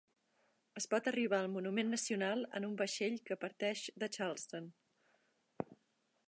Es pot arribar al monument nacional en un vaixell que parteix de Charleston.